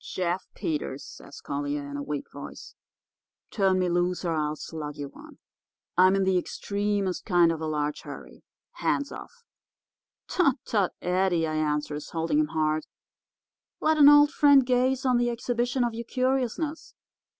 "'Jeff Peters,' says Collier, in a weak voice. 'Turn me loose, or I'll slug you one. I'm in the extremest kind of a large hurry. Hands off!' "'Tut, tut, Eddie,' I answers, holding him hard; 'let an old friend gaze on the exhibition of your curiousness.